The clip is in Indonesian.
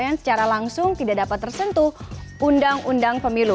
yang secara langsung tidak dapat tersentuh undang undang pemilu